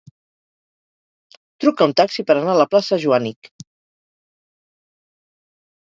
Truca un taxi per anar a la plaça Joànic.